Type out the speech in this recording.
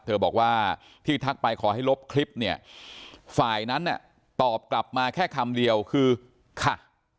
เธอบอกว่าที่ทักไปขอให้ลบคลิปเนี่ยฝ่ายนั้นเนี่ยตอบกลับมาแค่คำเดียวคือค่ะ